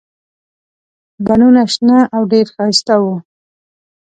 بڼونه شنه او ډېر ښایسته وو.